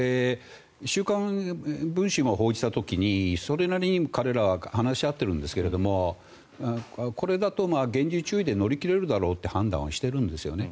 「週刊文春」が報じた時にそれなりに彼らは話し合っているんですがこれだと厳重注意で乗り切れるだろうという判断をしているんですよね。